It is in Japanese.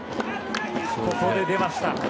ここで出ました。